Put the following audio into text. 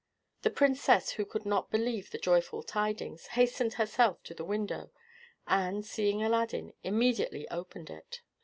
The princess, who could not believe the joyful tidings, hastened herself to the window, and, seeing Aladdin, immediately opened it.